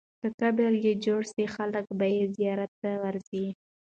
که قبر یې جوړ سي، خلک به یې زیارت ته ورځي.